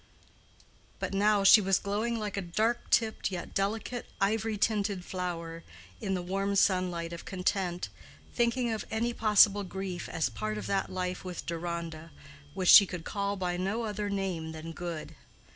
But now she was glowing like a dark tipped yet delicate ivory tinted flower in the warm sunlight of content, thinking of any possible grief as part of that life with Deronda, which she could call by no other name than good.